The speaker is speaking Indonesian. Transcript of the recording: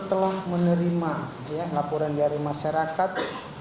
kpk setelah menerima laporan dari masyarakat